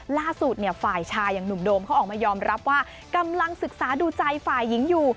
ล่าสุดเนี่ยฝ่ายชายอย่างหนุ่มโดมเขาออกมายอมรับว่ากำลังศึกษาดูใจฝ่ายหญิงอยู่